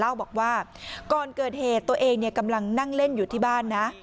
เล่าบอกว่าก่อนเกิดเหตุตัวเองกำลังนั่งเล่นอยู่ที่บ้านนะ